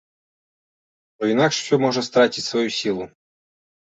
Бо інакш усё можа страціць сваю сілу.